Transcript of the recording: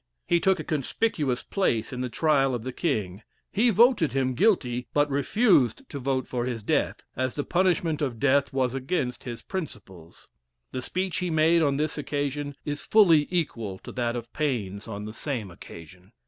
He took a conspicuous place in the trial of the king; he voted him guilty, but refused to vote for his death, as the punishment of death was against his principles. The speech he made on this occasion is fully equal to that of Paine's on the same occasion.